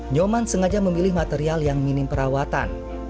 nyoman sengaja memilih material yang minim perawatan